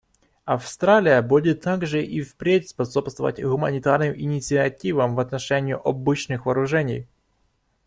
Австралия будет также и впредь способствовать гуманитарным инициативам в отношении обычных вооружений.